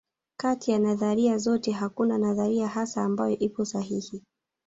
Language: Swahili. Kati ya nadharia zote hakuna nadharia hasa ambayo ipo sahihi